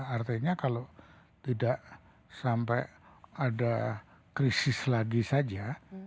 artinya kalau tidak sampai ada krisis lagi saja